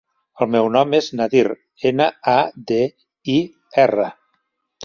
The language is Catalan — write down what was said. El meu nom és Nadir: ena, a, de, i, erra.